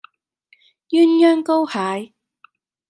鴛鴦膏蟹